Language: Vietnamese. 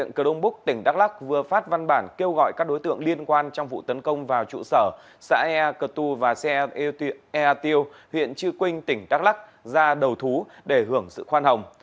công an huyện cờ đông búc tỉnh đắk lắc vừa phát văn bản kêu gọi các đối tượng liên quan trong vụ tấn công vào trụ sở xã ea cờ tu và xã ea tiêu huyện chư quynh tỉnh đắk lắc ra đầu thú để hưởng sự khoan hồng